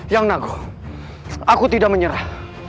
yang nago aku tidak menyerah